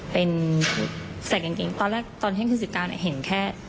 เป็นใส่กางเกงตอนแรกตอนเที่ยงคืน๑๙เห็นแค่